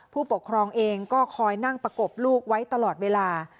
ผู้ปกครองเองก็คอยนั่งประกบลูกไว้ตลอดเวลา